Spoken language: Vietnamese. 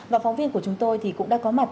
và phóng viên của chúng tôi thì cũng đã có mặt